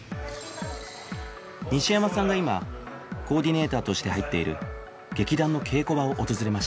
西山さんが今コーディネーターとして入っている劇団の稽古場を訪れました